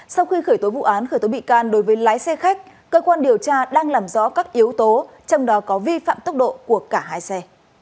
sau khi khởi tố vụ án khởi tố bị can đối với lái xe khách cơ quan điều tra đang làm rõ các yếu tố trong đó có vi phạm tốc độ của cả hai xe